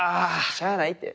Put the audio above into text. しゃあないって。